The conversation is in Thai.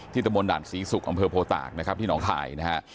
ที่ตะมนต์ด่านศรีศุกร์อำเภอโพตากที่น้องข่าย